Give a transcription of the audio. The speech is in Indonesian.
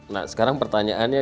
nah sekarang pertanyaannya